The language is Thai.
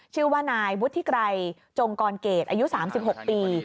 ชื่อว่านายวุฒิไกรจงกรเกตอายุ๓๖ปี